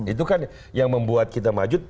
itu kan yang membuat kita maju